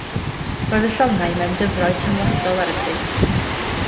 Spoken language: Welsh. Roedd y llongau mewn dyfroedd rhyngwladol ar y pryd.